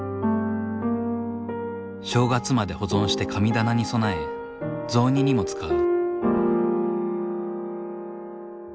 正月まで保存して神棚に供え雑煮にも使う。